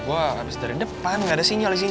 gue abis dari depan gak ada sinyal di sini